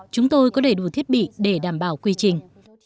chúng tôi có đầy đủ thiết bị để đảm bảo quy trình